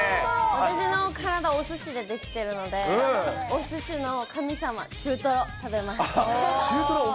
私の体、おすしで出来てるので、おすしの神様、中トロ、食べます。